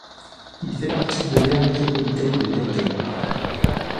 Il fait partie de l'aire métropolitaine de Dayton.